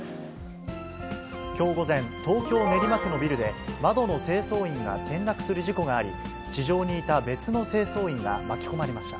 きょう午前、東京・練馬区のビルで、窓の清掃員が転落する事故があり、地上にいた別の清掃員が巻き込まれました。